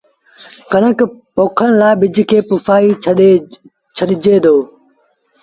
ڪڻڪ پوکڻ لآ ٻج کي پُسآئي ڇڏي دو